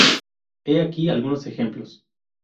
He aquí algunos ejemplos.